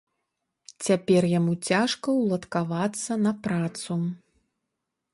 Цяпер яму цяжка уладкавацца на працу.